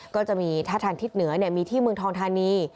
ก็จะมีท่าทางทิศเหนือมีที่เมืองทองทานี